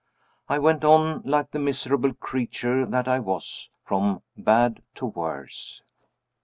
I went on, like the miserable creature that I was, from bad to worse.